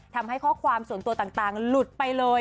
ทำให้ข้อความส่วนตัวต่างหลุดไปเลย